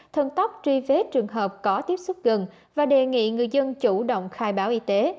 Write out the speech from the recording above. thân tóc truy vết trường hợp có tiếp xúc gần và đề nghị người dân chủ động khai báo y tế